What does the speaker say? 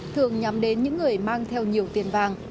thường nhắm đến những người mang theo nhiều tiền vàng